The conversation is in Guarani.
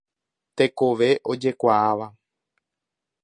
Tekove ojekuaáva.